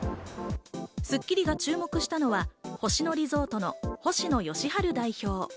『スッキリ』が注目したのは星野リゾートの星野佳路代表。